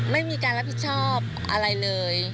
ไม่มีการรับผิดชอบอะไรเลย